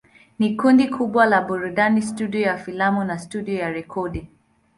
Ni kundi kubwa la burudani, studio ya filamu na studio ya rekodi.